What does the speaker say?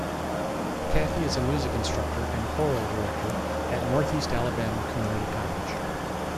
Kathy is a Music instructor and Choral Director at Northeast Alabama Community College.